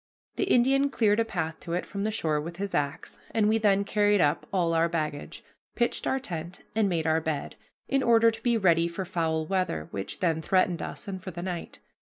The Indian cleared a path to it from the shore with his axe, and we then carried up all our baggage, pitched our tent, and made our bed, in order to be ready for foul weather, which then threatened us, and for the night.